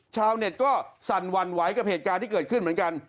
ชาวเน็ตก็สั่นหวั่นไหวกับเหตุการณ์ที่เกิดขึ้นเหมือนกัน